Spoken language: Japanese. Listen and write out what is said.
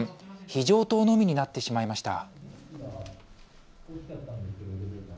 非常灯のみになってしまいました。